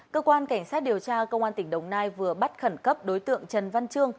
cơ quan cảnh sát điều tra công an tỉnh đồng nai vừa bắt khẩn cấp đối tượng trần văn trương